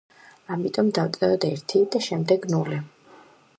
ამიტომ დავწეროთ ერთი და შემდეგ ნული.